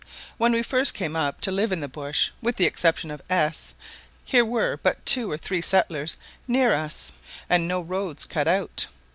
When we first came up to live in the bush, with the exception of S , here were but two or three settlers near us, and no roads cut out.